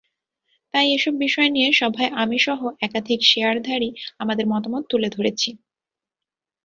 তাই এসব বিষয় নিয়ে সভায় আমিসহ একাধিক শেয়ারধারী আমাদের মতামত তুলে ধরেছি।